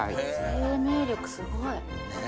生命力すごい。